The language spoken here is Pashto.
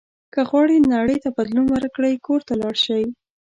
که غواړئ نړۍ ته بدلون ورکړئ کور ته لاړ شئ.